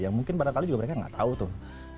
yang mungkin barangkali juga mereka gak tau tuh